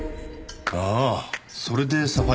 ああそれでサファイア。